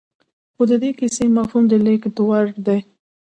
خو د دې کيسې مفهوم د لېږد وړ دی.